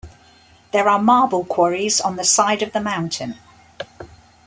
There are marble quarries on the side of the mountain.